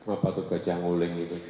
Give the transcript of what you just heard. apa tuh gajah nguleng itu